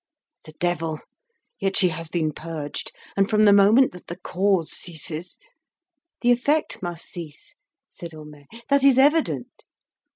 "The devil! yet she has been purged, and from the moment that the cause ceases " "The effect must cease," said Homais, "that is evident."